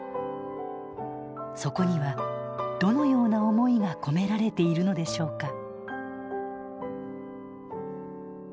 そこにはどのような思いが込められているのでしょうか？